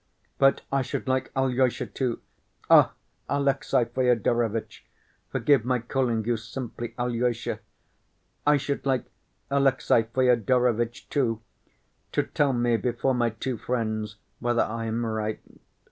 "But I should like Alyosha, too (Ah! Alexey Fyodorovitch, forgive my calling you simply Alyosha), I should like Alexey Fyodorovitch, too, to tell me before my two friends whether I am right.